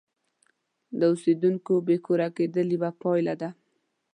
د اوسیدونکو بې کوره کېدل یوه پایله ده.